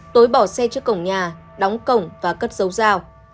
tối bỏ xe trước cổng nhà đóng cổng và cất dấu rào